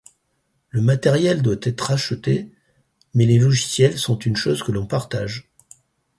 Le matériel doit être acheté, mais les logiciels sont une chose que l'on partage.